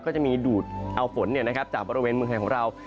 ก็จะมีดูดเอาฝนเนี่ยนะครับจากบริเวณเมืองไทยของเรา